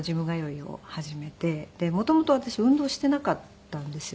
で元々私運動していなかったんですよね。